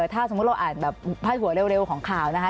ถ้าสมมุติเราอ่านแบบพาดหัวเร็วของข่าวนะคะ